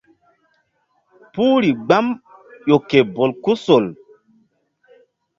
Puhri gbam ƴo ke bolkusol.